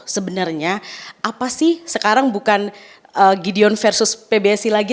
sebenarnya apa sih sekarang bukan gideon versus pbsi lagi